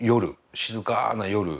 静かな夜。